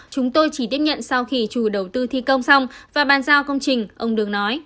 chúng tôi chỉ tiếp nhận sau khi chủ đầu tư thi công xong và bàn giao công trình ông đường nói